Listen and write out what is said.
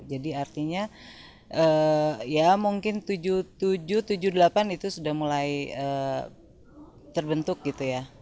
jadi artinya ya mungkin seribu sembilan ratus tujuh puluh tujuh seribu sembilan ratus tujuh puluh delapan itu sudah mulai terbentuk gitu ya